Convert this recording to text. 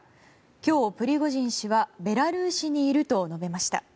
今日、プリゴジン氏はベラルーシにいると述べました。